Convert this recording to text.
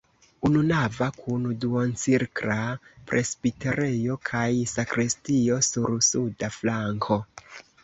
Ununava kun duoncirkla presbiterejo kaj sakristio sur suda flanko.